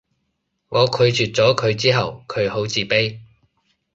我拒絕咗佢之後佢好自卑